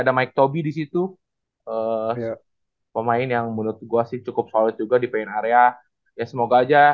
ada mike tobi disitu pemain yang menurut gue sih cukup solid juga di pengen area ya semoga aja